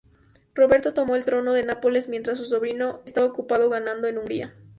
Roberto tomó el trono de Nápoles mientras su sobrino estaba ocupado ganando en Hungría.